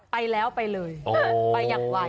ไปแล้วไปเลย